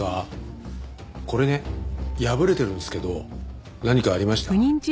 これね破れてるんですけど何かありました？